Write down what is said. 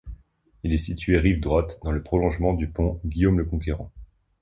Il est situé rive droite, dans le prolongement du pont Guillaume-le-Conquérant.